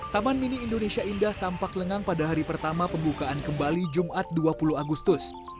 taman mini indonesia indah tampak lengang pada hari pertama pembukaan kembali jumat dua puluh agustus